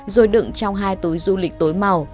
rồi đựng trong hai túi du lịch tối màu